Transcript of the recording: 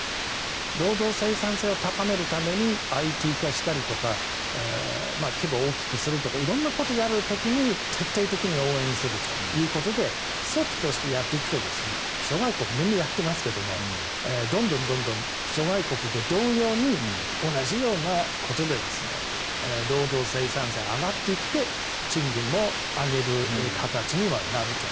労働生産性を高めるためにＩＴ化したりだとか規模を大きくするとか色んなことをやる時に徹底的に応援するということでセットとしてやっていくと諸外国みんなやってますけれどもどんどん諸外国と同様に同じようなことで労働生産性、上がっていって賃金も上げる形にはなると。